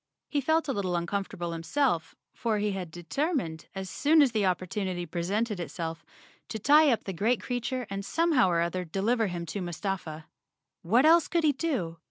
He felt a little uncomfortable himself, for he had determined, as soon as the opportunity presented itself, to tie up the great creature and somehow or other deliver him to Mustafa. What else could he do?